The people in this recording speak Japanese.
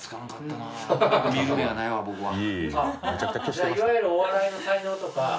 じゃあいわゆるお笑いの才能とか。